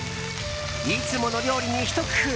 いつもの料理にひと工夫